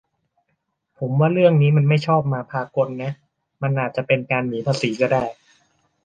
ผมว่าเรื่องนี้มันไม่ชอบมาพากลนะ มันอาจจะเป็นการหนีภาษีก็ได้